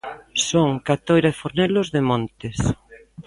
Son Catoira e Fornelos de Montes.